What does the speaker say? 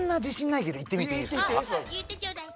言ってちょうだい。